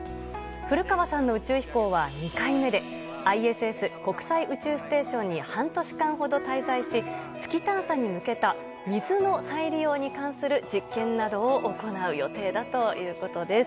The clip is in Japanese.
古川さんの宇宙飛行は２回目で、ＩＳＳ・国際宇宙ステーションに半年間ほど滞在し、月探査に向けた水の再利用に関する実験などを行う予定だということです。